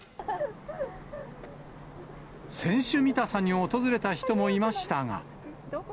選手見たさに訪れた人もいましたが。